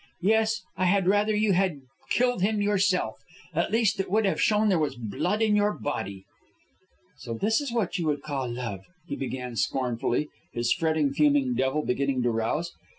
Yes, I had rather you had killed him yourself. At least, it would have shown there was blood in your body." "So this is what you would call love?" he began, scornfully, his fretting, fuming devil beginning to rouse.